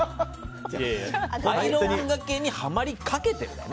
アイロンがけにハマりかけてるだね。